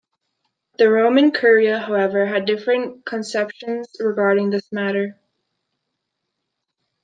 The Roman curia, however, had different conceptions regarding this matter.